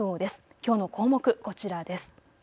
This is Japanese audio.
きょうの項目こちらです。